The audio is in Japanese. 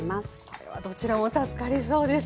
これはどちらも助かりそうです。